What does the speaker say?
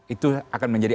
itu akan menjadi